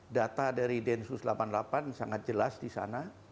data dari densus delapan puluh delapan sangat jelas di sana